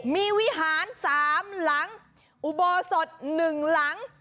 มีวิหาร๓หลังอุโบสถ๑หลัง